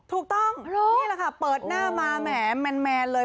ถูกต้องนี่แหละค่ะเปิดหน้ามาแหมแมนเลย